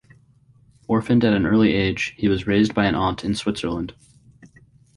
Orphaned at an early age, he was raised by an aunt in Switzerland.